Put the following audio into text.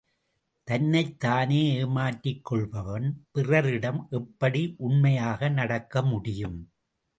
தன்னைத் தானே ஏமாற்றிக் கொள்பவன் பிறரிடம் எப்படி உண்மையாக நடக்க முடியும்?